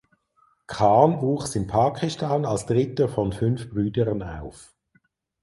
Khan wuchs in Pakistan als dritter von fünf Brüdern auf.